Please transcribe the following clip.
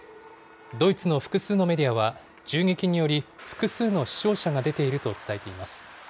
ドイツの複数のメディアは、銃撃により、複数の死傷者が出ていると伝えています。